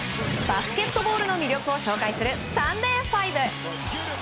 バスケットボールの魅力を紹介するサンデーＦＩＶＥ。